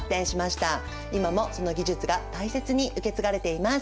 今もその技術が大切に受け継がれています。